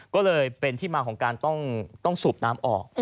ก็เลยเป็นที่มาของการต้องสูบน้ำออก